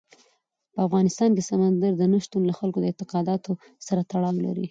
په افغانستان کې سمندر نه شتون د خلکو د اعتقاداتو سره تړاو لري.